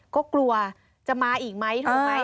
ก็กลัวจะมาอีกไหมถูกไหม